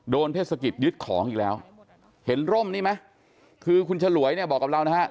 เทศกิจยึดของอีกแล้วเห็นร่มนี่ไหมคือคุณฉลวยเนี่ยบอกกับเรานะฮะ